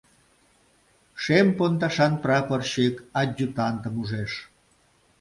Шем пондашан прапорщик адъютантым ужеш.